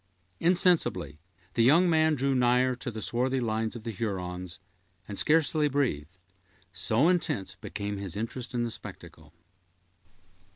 Insensibly the young man drew nigher to the swarthy lines of the Hurons, and scarcely breathed, so intense became his interest in the spectacle.